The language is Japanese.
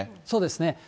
そうですね。